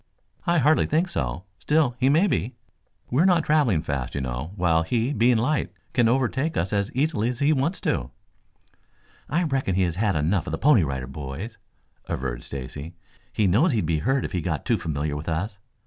"I hardly think so. Still, he may be. We are not traveling fast, you know, while he, being light, can overtake us easily if he wants to." "I reckon he has had enough of the Pony Rider Boys," averred Stacy. "He knows he'd be hurt if he got too familiar with us.